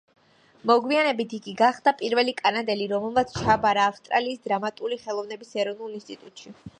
მოგვიანებით იგი გახდა პირველი კანადელი, რომელმაც ჩააბარა ავსტრალიის დრამატული ხელოვნების ეროვნულ ინსტიტუტში.